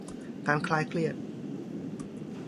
การคลายเครียด